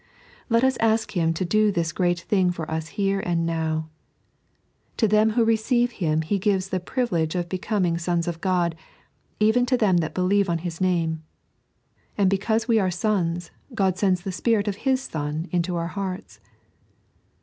Let us ask Him to do this great thing for us here and now. "To them who receive Him He gives the privilege of becoming sons of Ood, even to them that believe on His Kame "—" and because we are sous, Ood sends the Spirit of His Son into our hearts."